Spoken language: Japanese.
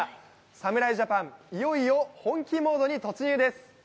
侍ジャパン、いよいよ本気モードに突入です。